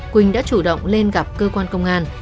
quỳnh đã chủ động lên gặp cơ quan công an